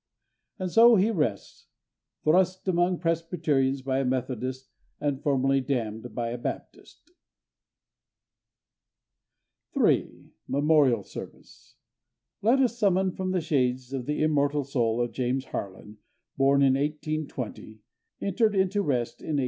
And so he rests: thrust among Presbyterians by a Methodist and formally damned by a Baptist. 3 Memorial Service Let us summon from the shades the immortal soul of James Harlan, born in 1820, entered into rest in 1899.